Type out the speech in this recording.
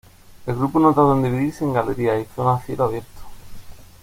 El grupo no tardó en dividirse en galerías y zona a cielo abierto.